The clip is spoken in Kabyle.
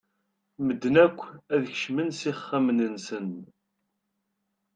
Medden akk ad kecmen s ixxamen-nsen.